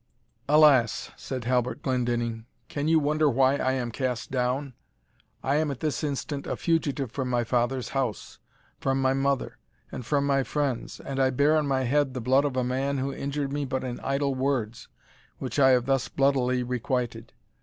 "Alas!" said Halbert Glendinning, "can you wonder why I am cast down? I am at this instant a fugitive from my father's house, from my mother, and from my friends, and I bear on my head the blood of a man who injured me but in idle words, which I have thus bloodily requited.